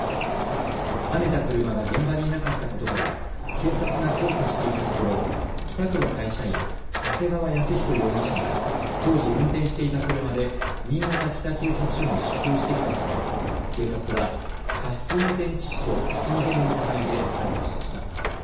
はねた車が現場にいなかったことから警察が捜査していたところ、北区の会社員、長谷川恭史容疑者が当時、運転していた車で新潟北警察署に出頭してきたため警察は過失運転致死とひき逃げの疑いで逮捕しました。